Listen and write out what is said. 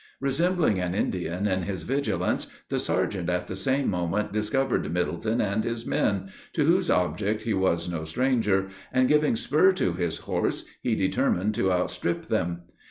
Resembling an Indian in his vigilance, the sergeant at the same moment discovered Middleton and his men, to whose object he was no stranger, and giving spur to his horse, he determined to outstrip them.